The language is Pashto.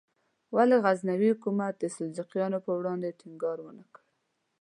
ولې غزنوي حکومت د سلجوقیانو پر وړاندې ټینګار ونکړ؟